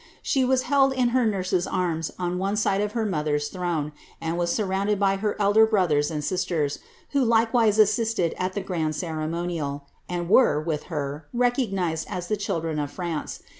She was held in her nurse's arms on one side of her mother's throne,' and was surrounded by her elder brothers and sisters, who likewise assisted at the grand ceremonial, and were, with her, recognised as the children of France.